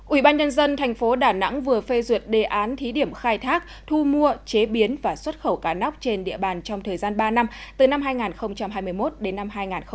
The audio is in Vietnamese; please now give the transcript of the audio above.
ủy ban nhân dân thành phố đà nẵng vừa phê duyệt đề án thí điểm khai thác thu mua chế biến và xuất khẩu cá nóc trên địa bàn trong thời gian ba năm từ năm hai nghìn hai mươi một đến năm hai nghìn hai mươi ba